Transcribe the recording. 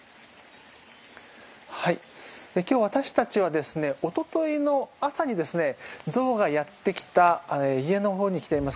今日、私たちはおとといの朝に象がやってきた家のほうに来ています。